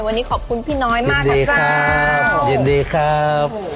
วันนี้ขอบคุณพี่น้อยมากนะจ๊ะยินดีครับ